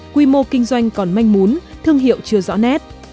quy mô kinh doanh còn manh mún thương hiệu chưa rõ nét